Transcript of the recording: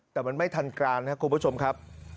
แต่มันไม่ทันการนะครับคุณผู้ชมครับ